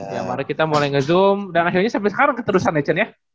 ya maret kita mulai nge zoom dan akhirnya sampe sekarang keterusan ya cen ya